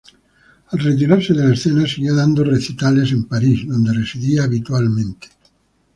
Al retirarse de la escena, siguió dando recitales en París donde residía habitualmente.